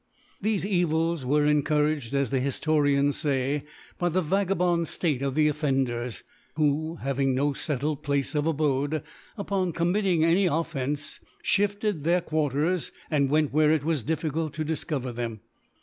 Thcfe Evils were encouraged, as the Hiftorians fay, by the vagabond State of the Offenders, who, ha\ang no fettled Place of Abode, upon committing any Of fence, fhifted their Quarters, and went where it was difficult to discover them.